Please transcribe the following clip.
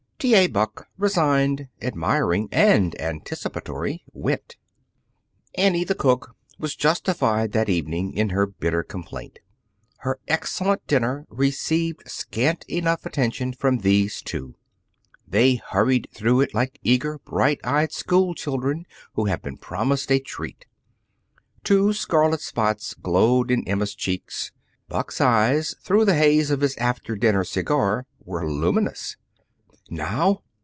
T. A. Buck, resigned, admiring, and anticipatory, went. Annie, the cook, was justified that evening in her bitter complaint. Her excellent dinner received scant enough attention from these two. They hurried through it like eager, bright eyed school children who have been promised a treat. Two scarlet spots glowed in Emma's cheeks. Buck's eyes, through the haze of his after dinner cigar, were luminous. "Now?"